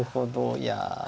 いや。